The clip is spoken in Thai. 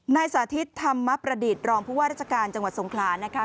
สาธิตธรรมประดิษฐ์รองผู้ว่าราชการจังหวัดสงขลานะคะ